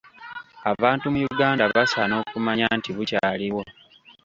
Abantu mu Uganda basaana okumanya nti bukyaliwo.